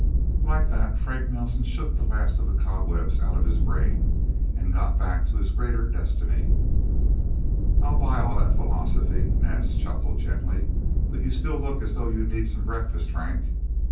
Like that, Frank Nelsen shook the last of the cobwebs out of his brain and got back to his greater destiny. "I'll buy all of that philosophy," Nance chuckled gently. "But you still look as though you needed some breakfast, Frank."